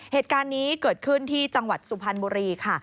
เหตุการณ์นี้เกิดขึ้นที่จังหวัดสุพรรณบุรีค่ะ